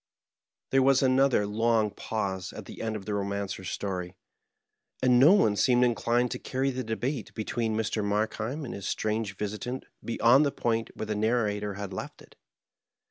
There was another long pause at the end of the Bomancer's storj, and no one seemed inclined to carry the debate between Mr. Mark heim and his strange visitant beyond the point where the narrator had left it.